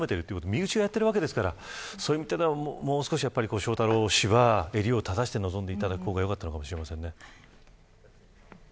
身内がやってるわけですからそういう意味ではもう少し翔太郎氏は襟を正して臨んでいただいた方がよかったのかもしれません。